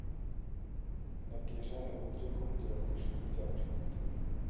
Nabwiye Jane uburyo bwo kugera ku ishuri ryacu.